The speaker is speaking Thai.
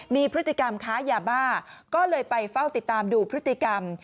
มีพฤติกรรมค้ายาบ้าก็เลยไปเฝ้าติดตามดูพฤติกรรม